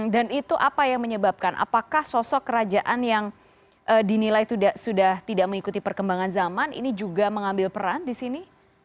dan itu apa yang menyebabkan apakah sosok kerajaan yang dinilai sudah tidak mengikuti perkembangan zaman ini juga mengambil peran di sini